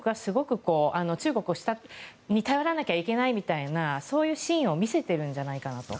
中国に頼らなきゃいけないみたいなそういう真意を見せているんじゃないかなと。